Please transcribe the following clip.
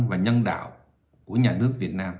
và nhân đạo của nhà nước việt nam